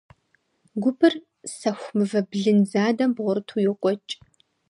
Гупыр сэху мывэ блын задэм бгъурыту йокӀуэкӀ.